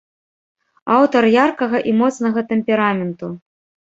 Акцёр яркага і моцнага тэмпераменту.